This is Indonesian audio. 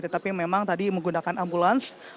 tetapi memang tadi menggunakan ambulans